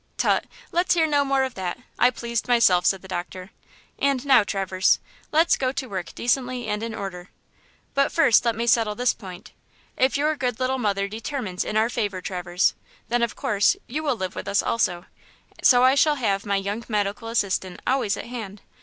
"Tut! let's hear no more of that. I pleased myself," said the doctor; "and now, Traverse, let's go to work decently and in order. But first let me settle this point–if your good little mother determines in our favor, Traverse, then, of course, you will live with us also, so I shall have my young medical assistant always at hand.